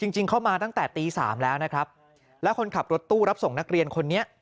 จริงเข้ามาตั้งแต่ตี๓แล้วนะครับแล้วคนขับรถตู้รับส่งนักเรียนคนนี้